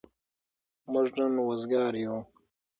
موږ نن وزگار يو.